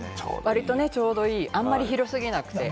ちょうどいい、あんまり広すぎなくて。